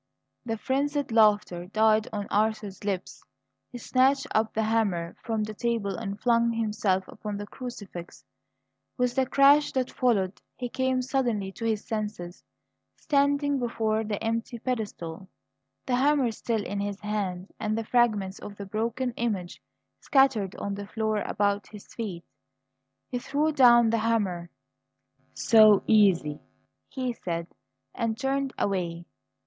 The frenzied laughter died on Arthur's lips. He snatched up the hammer from the table and flung himself upon the crucifix. With the crash that followed he came suddenly to his senses, standing before the empty pedestal, the hammer still in his hand, and the fragments of the broken image scattered on the floor about his feet. He threw down the hammer. "So easy!" he said, and turned away.